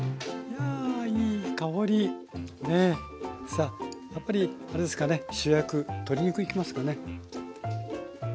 さあやっぱりあれですかね主役鶏肉いきますかね。